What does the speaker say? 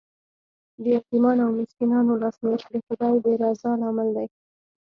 د یتیمانو او مسکینانو لاسنیوی د خدای د رضا لامل دی.